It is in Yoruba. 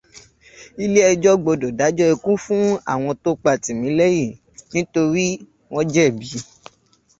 Ilé ẹjọ́ gbọ́dọ̀ dájọ́ ikú fún àwọn tó pa Tìmílẹ́hìn nítorí wọ́n jẹ̀bi.